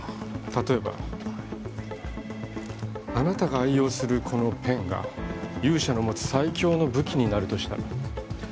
例えばあなたが愛用するこのペンが勇者の持つ最強の武器になるとしたら？